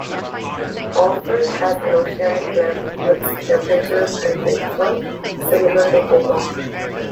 Orford has an oceanic climate, with temperatures and rainfall similar to Hobart.